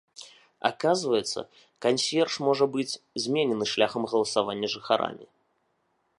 Аказваецца, кансьерж можа быць зменены шляхам галасавання жыхарамі.